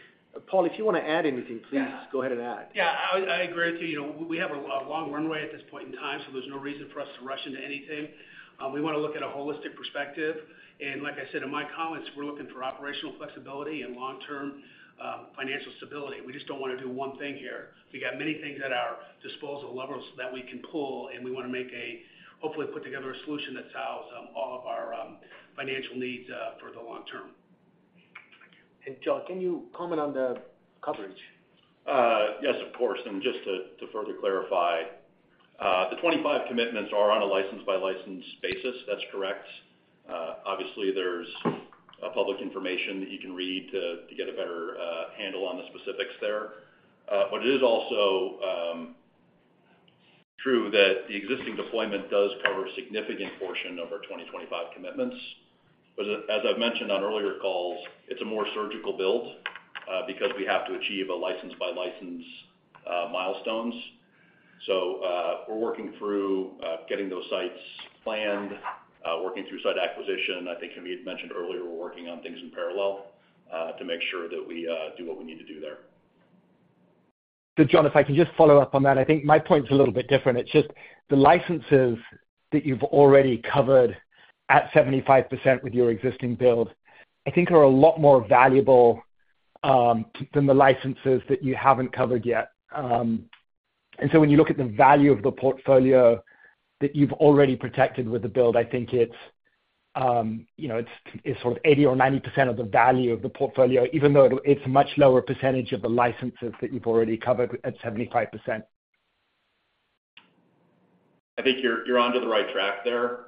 Paul, if you want to add anything, please go ahead and add. Yeah. I agree with you. We have a long runway at this point in time, so there's no reason for us to rush into anything. We want to look at a holistic perspective. And like I said in my comments, we're looking for operational flexibility and long-term financial stability. We just don't want to do one thing here. We got many things at our disposal levels that we can pull, and we want to make a hopefully put together a solution that solves all of our financial needs for the long-term. John, can you comment on the coverage? Yes, of course. And just to further clarify, the 25 commitments are on a license-by-license basis. That's correct. Obviously, there's public information that you can read to get a better handle on the specifics there. But it is also true that the existing deployment does cover a significant portion of our 2025 commitments. But as I've mentioned on earlier calls, it's a more surgical build because we have to achieve a license-by-license milestones. So we're working through getting those sites planned, working through site acquisition. I think Hamid mentioned earlier we're working on things in parallel to make sure that we do what we need to do there. So John, if I can just follow up on that, I think my point's a little bit different. It's just the licenses that you've already covered at 75% with your existing build, I think, are a lot more valuable than the licenses that you haven't covered yet. And so when you look at the value of the portfolio that you've already protected with the build, I think it's sort of 80% or 90% of the value of the portfolio, even though it's a much lower percentage of the licenses that you've already covered at 75%. I think you're onto the right track there.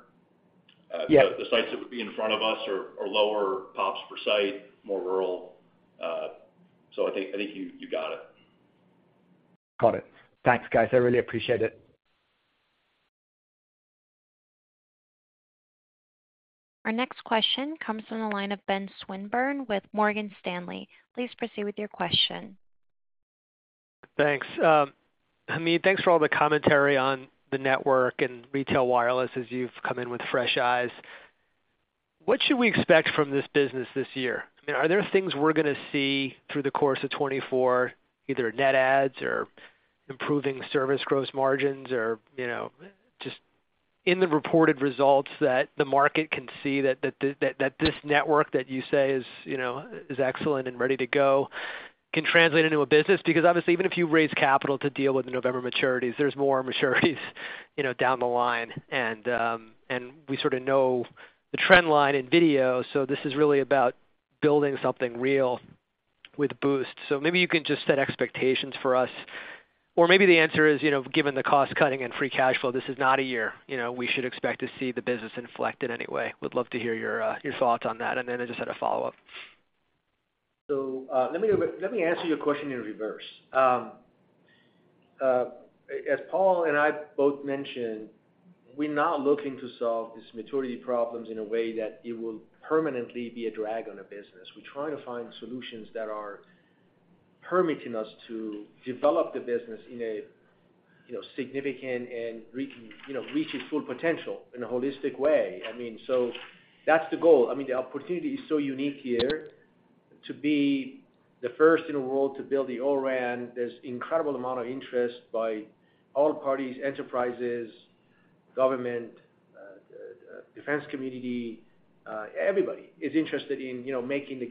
The sites that would be in front of us are lower POPs per site, more rural. So I think you got it. Got it. Thanks, guys. I really appreciate it. Our next question comes from the line of Ben Swinburne with Morgan Stanley. Please proceed with your question. Thanks. Hamid, thanks for all the commentary on the network and retail wireless as you've come in with fresh eyes. What should we expect from this business this year? I mean, are there things we're going to see through the course of 2024, either net adds or improving service gross margins or just in the reported results that the market can see that this network that you say is excellent and ready to go can translate into a business? Because obviously, even if you raise capital to deal with the November maturities, there's more maturities down the line. And we sort of know the trend line in video. So this is really about building something real with Boost. So maybe you can just set expectations for us. Or maybe the answer is, given the cost-cutting and free cash flow, this is not a year we should expect to see the business inflect in any way. Would love to hear your thoughts on that. And then I just had a follow-up. So let me answer your question in reverse. As Paul and I both mentioned, we're not looking to solve these maturity problems in a way that it will permanently be a drag on a business. We're trying to find solutions that are permitting us to develop the business in a significant and reach its full potential in a holistic way. I mean, so that's the goal. I mean, the opportunity is so unique here to be the first in the world to build the O-RAN. There's an incredible amount of interest by all parties, enterprises, government, defense community. Everybody is interested in making this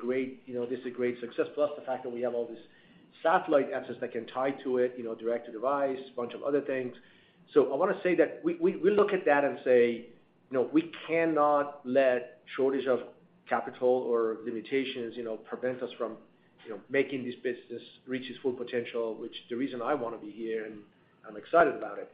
a great success, plus the fact that we have all these satellite apps that can tie to it, direct-to-device, a bunch of other things. So I want to say that we'll look at that and say we cannot let shortage of capital or limitations prevent us from making this business reach its full potential, which is the reason I want to be here, and I'm excited about it.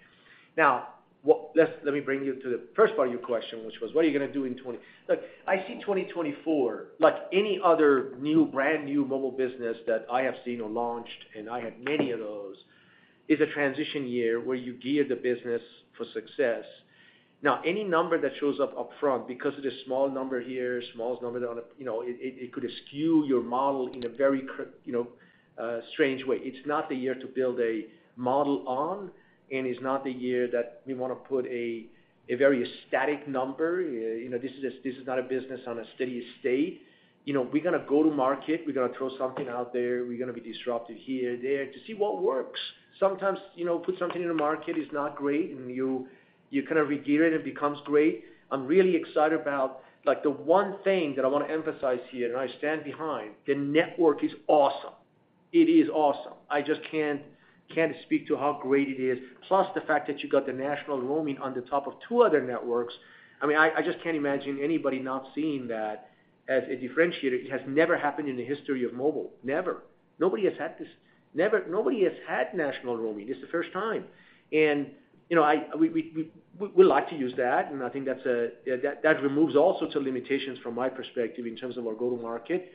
Now, let me bring you to the first part of your question, which was, what are you going to do in 2020? Look, I see 2024 like any other new, brand-new mobile business that I have seen or launched, and I had many of those, is a transition year where you gear the business for success. Now, any number that shows up upfront because it is a small number here, smallest number that it could skew your model in a very strange way. It's not the year to build a model on, and it's not the year that we want to put a very static number. This is not a business on a steady state. We're going to go to market. We're going to throw something out there. We're going to be disruptive here, there, to see what works. Sometimes putting something in the market is not great, and you kind of regear it, and it becomes great. I'm really excited about the one thing that I want to emphasize here, and I stand behind. The network is awesome. It is awesome. I just can't speak to how great it is, plus the fact that you got the national roaming on the top of two other networks. I mean, I just can't imagine anybody not seeing that as a differentiator. It has never happened in the history of mobile. Never. Nobody has had this. Nobody has had national roaming. It's the first time. And we like to use that. I think that removes also some limitations from my perspective in terms of our go-to-market.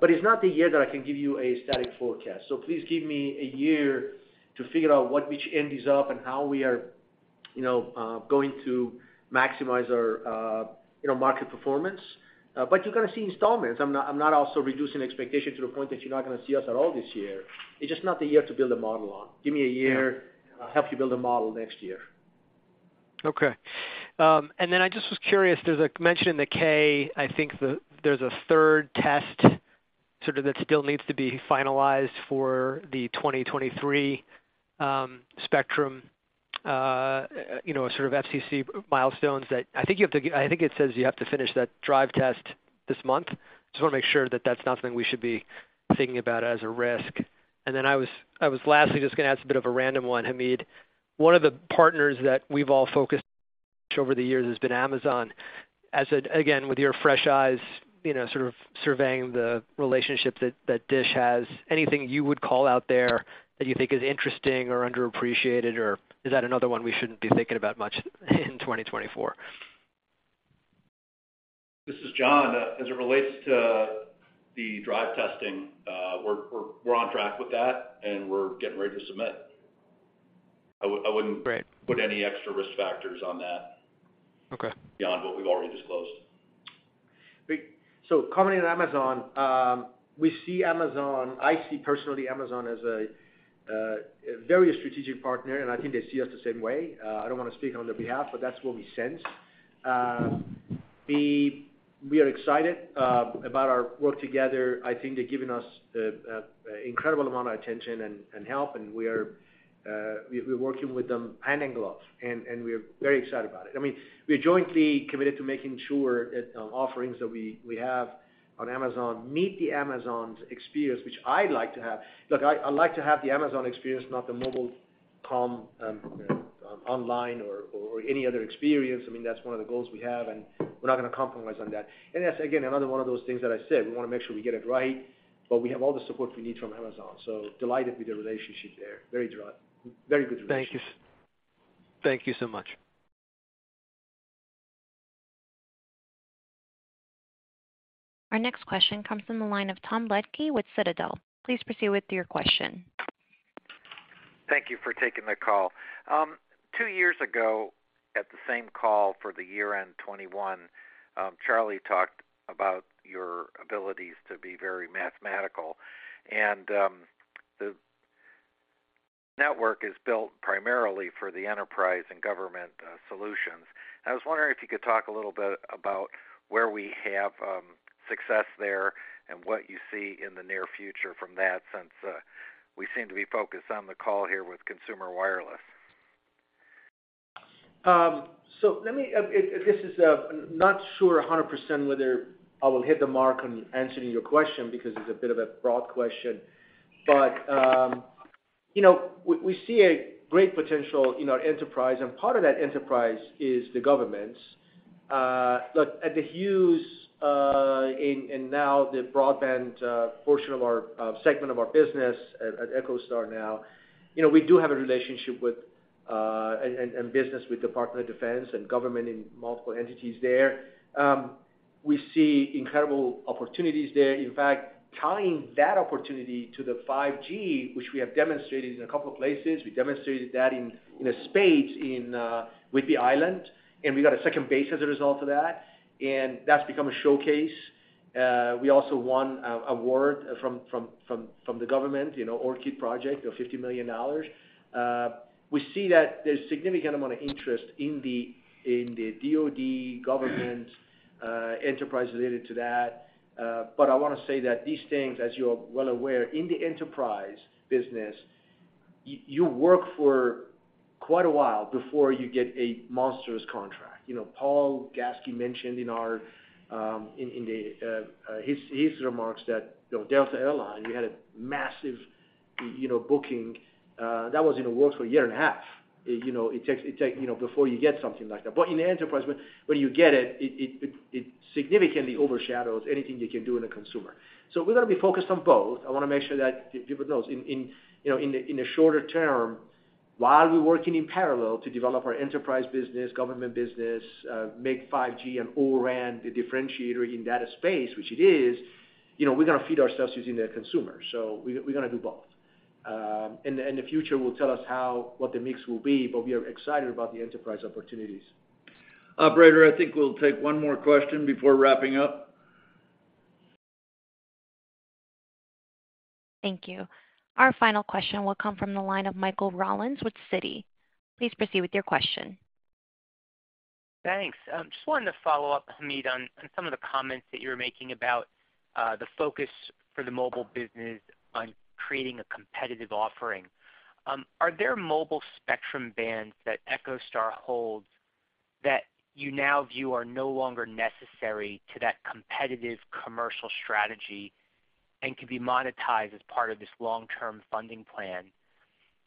But it's not the year that I can give you a static forecast. Please give me a year to figure out which end is up and how we are going to maximize our market performance. But you're going to see installments. I'm not also reducing expectation to the point that you're not going to see us at all this year. It's just not the year to build a model on. Give me a year. I'll help you build a model next year. Okay. And then I just was curious. There's a mention in the K. I think there's a third test sort of that still needs to be finalized for the 2023 spectrum, sort of FCC milestones that I think you have to—I think it says you have to finish that drive test this month. Just want to make sure that that's not something we should be thinking about as a risk. And then I was lastly just going to ask a bit of a random one, Hamid. One of the partners that we've all focused on over the years has been Amazon. Again, with your fresh eyes sort of surveying the relationship that DISH has, anything you would call out there that you think is interesting or underappreciated, or is that another one we shouldn't be thinking about much in 2024? This is John. As it relates to the drive testing, we're on track with that, and we're getting ready to submit. I wouldn't put any extra risk factors on that beyond what we've already disclosed. Great. So commenting on Amazon, I see personally Amazon as a very strategic partner, and I think they see us the same way. I don't want to speak on their behalf, but that's what we sense. We are excited about our work together. I think they're giving us an incredible amount of attention and help, and we're working with them hand in glove. And we're very excited about it. I mean, we're jointly committed to making sure that offerings that we have on Amazon meet the Amazon's experience, which I like to have. Look, I like to have the Amazon experience, not the mobile comm online or any other experience. I mean, that's one of the goals we have, and we're not going to compromise on that. And that's, again, another one of those things that I said. We want to make sure we get it right, but we have all the support we need from Amazon. So delighted with the relationship there. Very good relationship. Thank you. Thank you so much. Our next question comes from the line of Tom Blethen with Citadel. Please proceed with your question. Thank you for taking the call. Two years ago, at the same call for the year-end 2021, Charlie talked about your abilities to be very mathematical. The network is built primarily for the enterprise and government solutions. I was wondering if you could talk a little bit about where we have success there and what you see in the near future from that since we seem to be focused on the call here with consumer wireless. So I'm not sure 100% whether I will hit the mark on answering your question because it's a bit of a broad question. But we see a great potential in our enterprise, and part of that enterprise is the governments. Look, at the Hughes and now the broadband portion of our segment of our business at EchoStar now, we do have a relationship and business with the Department of Defense and government in multiple entities there. We see incredible opportunities there. In fact, tying that opportunity to the 5G, which we have demonstrated in a couple of places. We demonstrated that at NAS Whidbey Island, and we got a second base as a result of that. And that's become a showcase. We also won an award from the government, ORCID project, of $50 million. We see that there's a significant amount of interest in the DoD, government, enterprise related to that. But I want to say that these things, as you are well aware, in the enterprise business, you work for quite a while before you get a monstrous contract. Paul Gaske mentioned in his remarks that Delta Air Lines, we had a massive booking. That was in the works for a year and a half. It takes before you get something like that. But in the enterprise, when you get it, it significantly overshadows anything you can do in a consumer. So we're going to be focused on both. I want to make sure that people know. In the shorter term, while we're working in parallel to develop our enterprise business, government business, make 5G and O-RAN the differentiator in that space, which it is, we're going to feed ourselves using the consumer. So we're going to do both. And the future will tell us what the mix will be, but we are excited about the enterprise opportunities. Operator, I think we'll take one more question before wrapping up. Thank you. Our final question will come from the line of Michael Rollins with Citi. Please proceed with your question. Thanks. Just wanted to follow up, Hamid, on some of the comments that you were making about the focus for the mobile business on creating a competitive offering. Are there mobile spectrum bands that EchoStar holds that you now view are no longer necessary to that competitive commercial strategy and can be monetized as part of this long-term funding plan?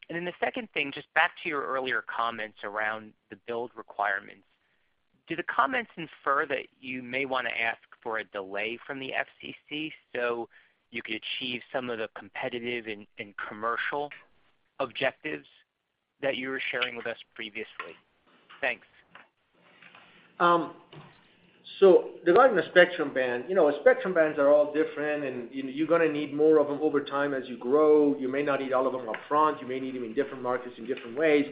Then the second thing, just back to your earlier comments around the build requirements, do the comments infer that you may want to ask for a delay from the FCC so you could achieve some of the competitive and commercial objectives that you were sharing with us previously? Thanks. So regarding the spectrum band, spectrum bands are all different, and you're going to need more of them over time as you grow. You may not need all of them upfront. You may need them in different markets in different ways.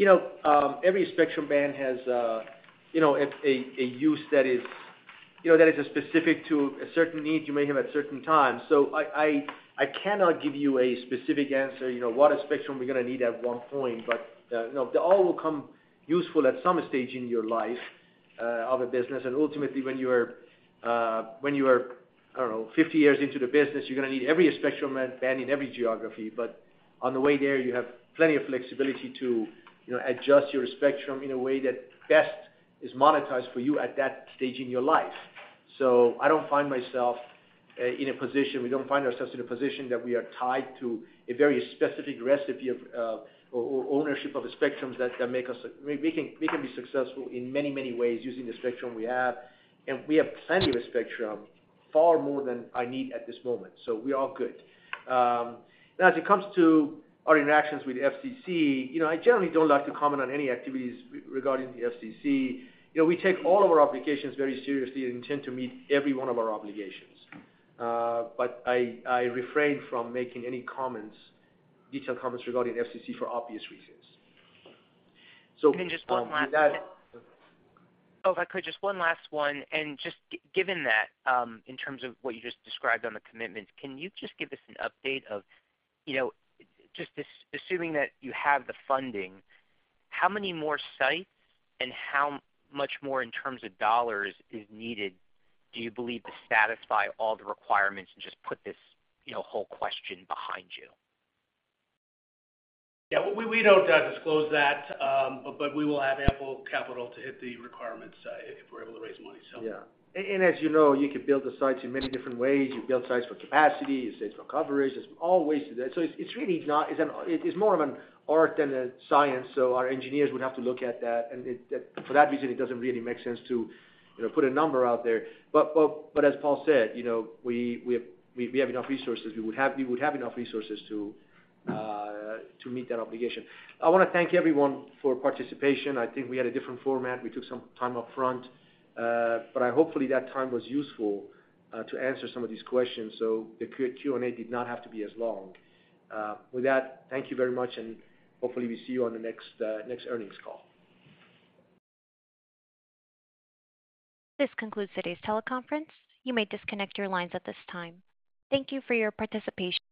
Every spectrum band has a use that is specific to a certain need you may have at certain times. So I cannot give you a specific answer, what a spectrum we're going to need at one point. But they all will come useful at some stage in your life of a business. And ultimately, when you are, I don't know, 50 years into the business, you're going to need every spectrum band in every geography. But on the way there, you have plenty of flexibility to adjust your spectrum in a way that best is monetized for you at that stage in your life. We don't find ourselves in a position that we are tied to a very specific recipe of ownership of the spectrums that make us we can be successful in many, many ways using the spectrum we have. And we have plenty of spectrum, far more than I need at this moment. So we're all good. Now, as it comes to our interactions with the FCC, I generally don't like to comment on any activities regarding the FCC. We take all of our obligations very seriously and intend to meet every one of our obligations. But I refrain from making any detailed comments regarding the FCC for obvious reasons. So. And then just one last. Oh, if I could, just one last one. And just given that, in terms of what you just described on the commitments, can you just give us an update of just assuming that you have the funding, how many more sites and how much more in terms of dollars is needed, do you believe, to satisfy all the requirements and just put this whole question behind you? Yeah. We don't disclose that, but we will have ample capital to hit the requirements if we're able to raise money, so. Yeah. And as you know, you could build the sites in many different ways. You build sites for capacity. You build sites for coverage. There's all ways to do that. So it's more of an art than a science. So our engineers would have to look at that. And for that reason, it doesn't really make sense to put a number out there. But as Paul said, we have enough resources. We would have enough resources to meet that obligation. I want to thank everyone for participation. I think we had a different format. We took some time upfront. But I hopefully that time was useful to answer some of these questions so the Q&A did not have to be as long. With that, thank you very much. Hopefully, we see you on the next earnings call. This concludes today's teleconference. You may disconnect your lines at this time. Thank you for your participation.